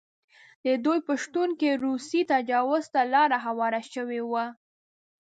د دوی په شتون کې روسي تجاوز ته لاره هواره شوې وه.